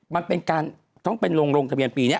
มันเป็นการต้องเป็นลงทะเบียนปีนี้